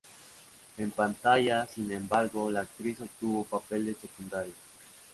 En pantalla sin embargo, la actriz obtuvo papeles secundarios.